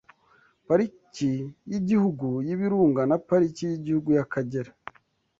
Pariki y’Igihugu y’Ibirunga na Pariki y’Igihugu y’Akagera